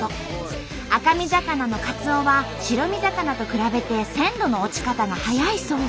赤身魚のカツオは白身魚と比べて鮮度の落ち方が早いそう。